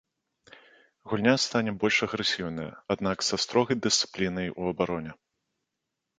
Гульня стане больш агрэсіўная, аднак са строгай дысцыплінай у абароне.